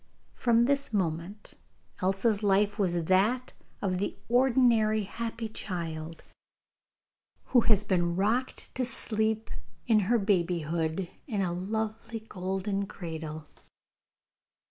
From this moment Elsa's life was that of the ordinary happy child, who has been rocked to sleep in her babyhood in a lovely golden cradle.